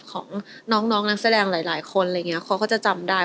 ของน้องนักแสดงหลายคนอะไรอย่างนี้เขาก็จะจำได้